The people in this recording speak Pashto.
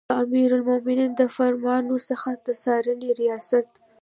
د امیرالمؤمنین د فرمانونو څخه د څارنې ریاست